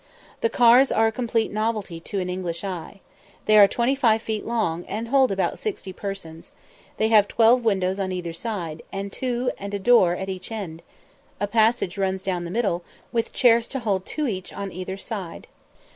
The cars are a complete novelty to an English eye. They are twenty five feet long, and hold about sixty persons; they have twelve windows on either side, and two and a door at each end; a passage runs down the middle, with chairs to hold two each on either side.